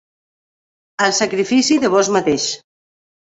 ...el sacrifici de vós mateix